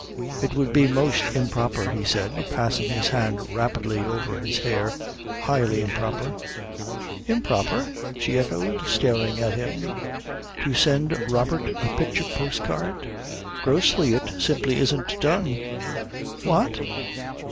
"It would be most improper," he said, passing his hand rapidly over his hair. "Highly improper." "Improper?" she echoed, staring at him. "To send Robert a picture postcard?" "Grossly. It simply isn't done." "What?